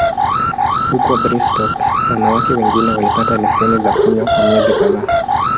Huko Brigstock, wanawake wengine walipata leseni za kunywa kwa miezi kadhaa.